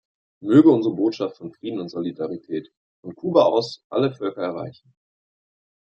Möge unsere Botschaft von Frieden und Solidarität von Kuba aus alle Völker erreichen.